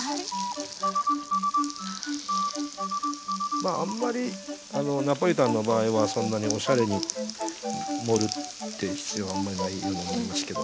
まああんまりナポリタンの場合はそんなにおしゃれに盛るって必要はあんまりないように思いますけど。